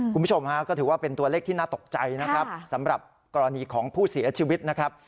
คุณผู้ชมฮะก็ถือว่าเป็นตัวเลขที่น่าตกใจนะครับสำหรับกรณีของผู้เสียชีวิตนะครับ